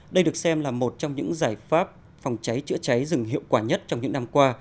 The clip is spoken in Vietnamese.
đây được xem là một trong những giải pháp phòng cháy chữa cháy rừng hiệu quả nhất trong những năm qua